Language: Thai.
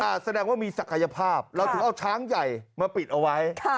แสดงว่ามีศักยภาพเราถึงเอาช้างใหญ่มาปิดเอาไว้